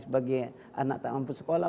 sebagai anak tak mampu sekolah